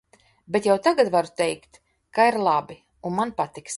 Bet jau tagad varu teikt, ka ir labi un man patiks.